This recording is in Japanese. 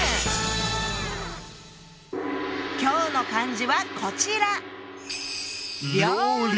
今日の漢字はこちら！